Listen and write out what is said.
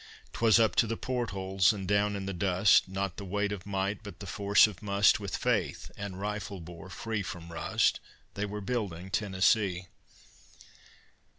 'Twas up to the port holes and down in the dust, Not the weight of might, but the force of must, With faith and rifle bore free from rust, They were building Tennessee.